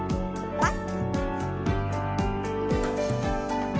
パッ。